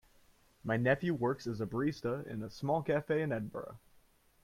My nephew works as a barista in a small cafe in Edinburgh.